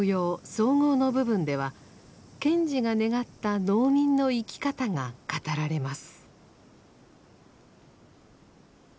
綜合の部分では賢治が願った農民の生き方が語られます。